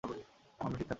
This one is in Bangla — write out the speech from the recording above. আমরা শিক্ষার্থী।